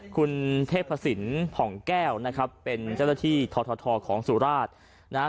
คุณเทพศิลป์ผ่องแก้วนะครับเป็นเจ้าหน้าที่ททของสุราชนะฮะ